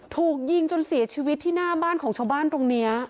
ถูกยิงจนเสียชีวิตที่หน้าบ้านของชาวบ้านตรงนี้